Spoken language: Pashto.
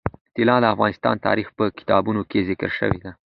طلا د افغان تاریخ په کتابونو کې ذکر شوی دي.